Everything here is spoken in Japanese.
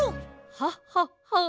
ハッハッハ！